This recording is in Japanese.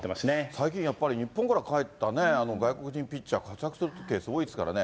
最近やっぱり、日本から帰った外国人ピッチャー、活躍するケース、多いですからね。